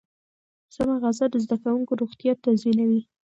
سمه غذا د زده کوونکو روغتیا تضمینوي.